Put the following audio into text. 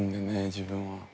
自分は。